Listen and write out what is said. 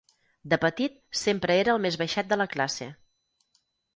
De petit sempre era el més baixet de la classe.